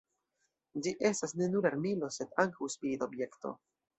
Ĝi estas ne nur armilo, sed ankaŭ spirita objekto.